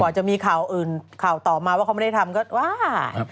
จะมีข่าวอื่นข่าวต่อมาว่าเขาไม่ได้ทำก็ว่า